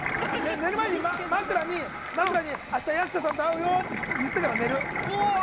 寝る前に枕にあした役所さんと会うよって言ってから寝る。